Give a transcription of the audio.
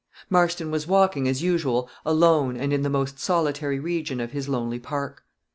Marston was walking, as usual, alone, and in the most solitary region of his lonely park.